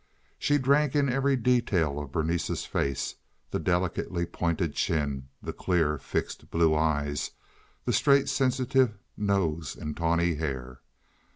She drank in every detail of Berenice's face—the delicately pointed chin, the clear, fixed blue eyes, the straight, sensitive nose and tawny hair.